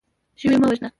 ژوی مه وژنه.